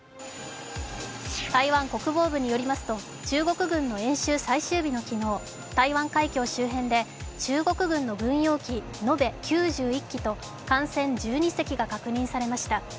台湾国防部によりますと、中国軍の演習最終日の昨日、台湾海峡周辺で中国軍の軍用機延べ９１機と艦船１２隻が確認されました。